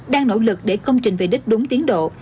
đang nỗ lực để công trình về đích đúng tiến độ